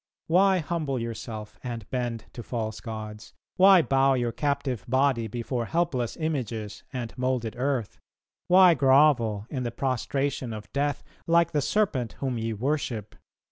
... Why humble yourself and bend to false gods? Why bow your captive body before helpless images and moulded earth? Why grovel in the prostration of death, like the serpent whom ye worship?